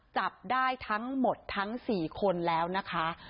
จับได้ทั้งหมดทั้ง๔คนแล้วนะคะ